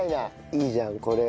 いいじゃんこれ。